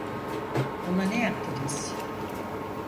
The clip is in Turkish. Ona ne yaptınız?